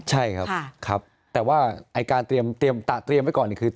ใช่ครับแต่ว่าการเตรียมไว้ก่อนคือ